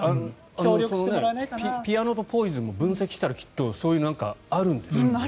ピアノと「ポイズン」も分析したらきっとあるんでしょうね。